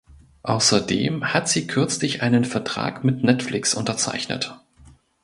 Außerdem hat sie kürzlich einen Vertrag mit Netflix unterzeichnet.